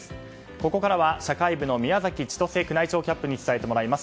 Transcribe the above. ここからは社会部の宮崎千歳宮内庁キャップに伝えてもらいます。